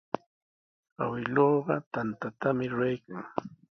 Awkilluuqa tantatami ruraykan.